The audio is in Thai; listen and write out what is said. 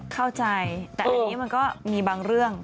เข้าใจแต่อันนี้มันก็มีบางเรื่อง